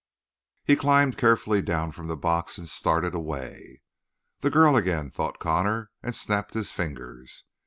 He climbed carefully down from the box and started away. "That girl again," thought Connor, and snapped his fingers.